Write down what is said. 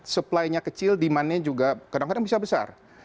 supply nya kecil demandnya juga kadang kadang bisa besar